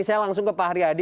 saya langsung ke pak haryadi